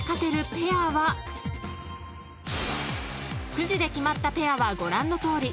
［くじで決まったペアはご覧のとおり］